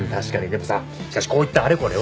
でもさしかしこういったあれこれは。